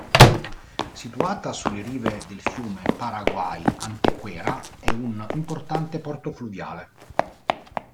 Situata sulle rive del fiume Paraguay Antequera è un importante porto fluviale.